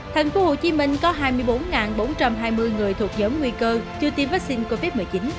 tp hcm có hai mươi bốn bốn trăm hai mươi người thuộc giống nguy cơ chưa tiêm vaccine covid một mươi chín